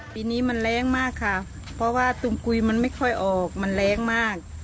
ปีนี้มันแรงมากค่ะเพราะว่าตุมกุยมันไม่ค่อยออกมันแรงมาก